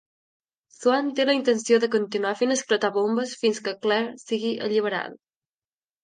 Swan té la intenció de continuar fent esclatar bombes fins que Claire sigui alliberada.